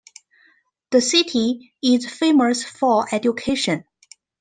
The city is famous for education.